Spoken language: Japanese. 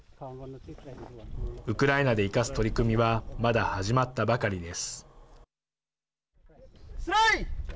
ウクライナで生かす取り組みはまだ始まったばかりです。